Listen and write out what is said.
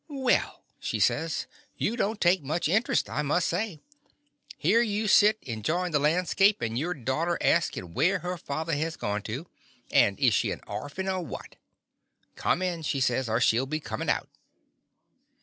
''Well," she says, "y^u don't take much interest, I must say. Here you sit enjoyin' the landscape, and your daughter askin' where her father has gone to, and is she an orphan or what. Come in," she says, "or she '11 be comin' out."